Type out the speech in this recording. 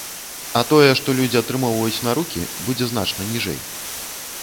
А тое, што людзі атрымоўваць на рукі, будзе значна ніжэй.